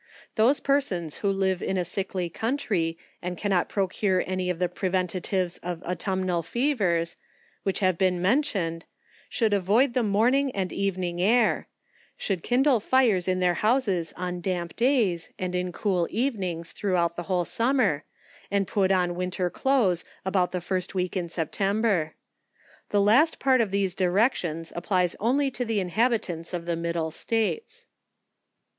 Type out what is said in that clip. Those persons who live in a sickly country, and cannot procure any of the pre a entires of autumnal fevers, which have been mentioned, should avoid the morning and evening air — should kindle fires in their houses, on damp days, and in cool evenings, throughout the whole summer, and put on winter clothes about the first week in September. The last part of these directions, applies only to the inhabitants of the middle states.